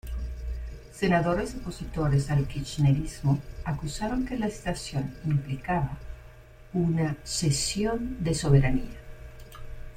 Senadores opositores al kirchnerismo acusaron que la estación implicaba una "cesión de soberanía".